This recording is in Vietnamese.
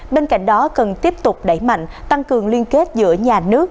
bên cạnh đó cần tiếp tục đẩy mạnh tăng cường liên kết giữa nhà nước